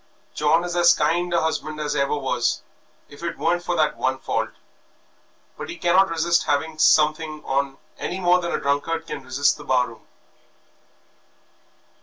John is as kind a husband as ever was if it weren't for that one fault; but he cannot resist having something on any more than a drunkard can resist the bar room."